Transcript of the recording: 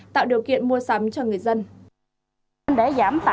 tạo điều kiện mua sắm cho người dân